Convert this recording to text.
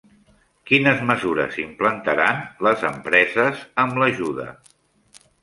Quines mesures implantaran les empreses amb l'ajuda?